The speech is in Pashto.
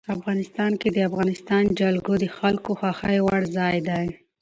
افغانستان کې د افغانستان جلکو د خلکو د خوښې وړ ځای دی.